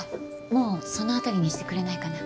もうその辺りにしてくれないかな。